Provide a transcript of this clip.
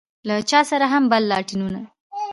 له چا سره هم بل لاټينونه.